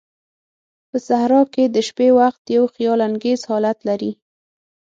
په صحراء کې د شپې وخت یو خیال انگیز حالت لري.